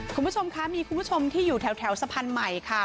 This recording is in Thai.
คุณผู้ชมคะมีคุณผู้ชมที่อยู่แถวสะพานใหม่ค่ะ